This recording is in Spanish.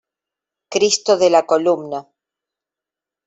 Cristo de la Columna.